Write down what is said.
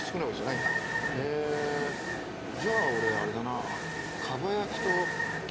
へぇじゃあ俺あれだな。